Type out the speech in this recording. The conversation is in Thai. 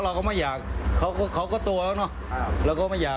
เราก็ไม่อยากเก๊ยเขาเนอะ